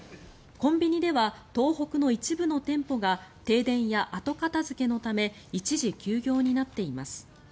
コンビニでは東北の一部の店舗が停電や後片付けのため一時休業になっています。